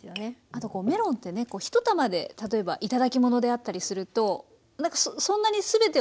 あとこうメロンってね一玉で例えば頂き物であったりするとなんかそんなに全てをね